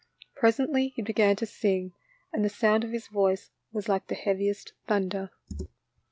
Presently he began to sing, and the sound of his voice was like the heaviest thunder.